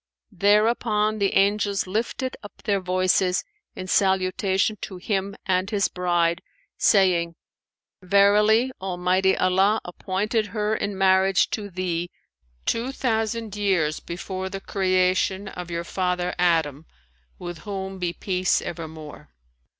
'" Thereupon the Angels lifted up their voices in salutation to him and his bride, saying, "Verily, Almighty Allah appointed her in marriage to thee two thousand years before the creation of your father Adam (with whom be peace evermore!)."